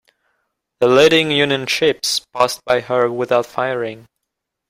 The leading Union ships passed by her without firing.